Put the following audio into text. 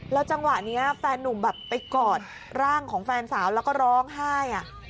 จังหวะนี้แฟนนุ่มแบบไปกอดร่างของแฟนสาวแล้วก็ร้องไห้